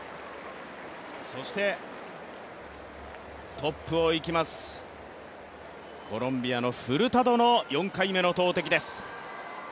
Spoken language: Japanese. そしてトップをいきます、コロンビアのフルタドの５回目の投てきです。